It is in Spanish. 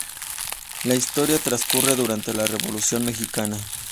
La historia transcurre durante la revolución mexicana.